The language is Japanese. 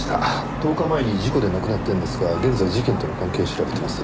１０日前に事故で亡くなってるんですが現在事件との関係を調べてます。